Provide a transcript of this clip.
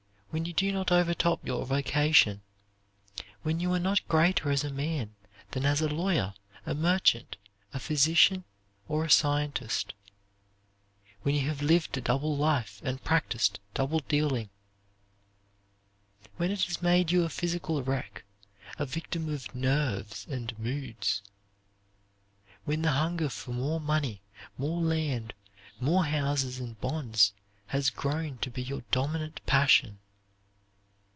When you do not overtop your vocation; when you are not greater as a man than as a lawyer, a merchant, a physician, or a scientist. When you have lived a double life and practised double dealing. When it has made you a physical wreck a victim of "nerves" and moods. When the hunger for more money, more land, more houses and bonds has grown to be your dominant passion.